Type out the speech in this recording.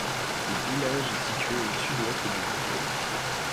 Le village est situé au sud-ouest de Vitez.